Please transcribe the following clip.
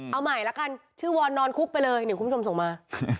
เอาใหม่ละกันชื่อวอนนอนคุกไปเลยเนี่ยคุณผู้ชมส่งมา